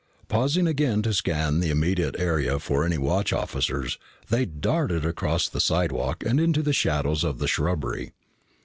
Pausing again to scan the immediate area for any watch officers, they darted across the slidewalk and into the shadows of the shrubbery.